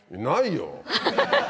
ないよ。